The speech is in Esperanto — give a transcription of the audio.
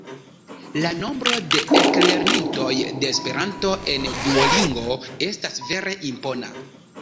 La nombro de eklernintoj de Esperanto en Duolingo estas vere impona!